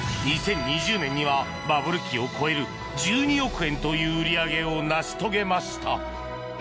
２０２０年にはバブル期を超える１２億円という売り上げを成し遂げました。